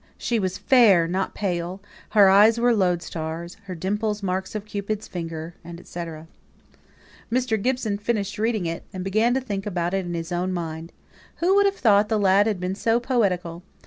She was fair, not pale; her eyes were loadstars, her dimples marks of Cupid's finger, &c. Mr. Gibson finished reading it; and began to think about it in his own mind. "Who would have thought the lad had been so poetical?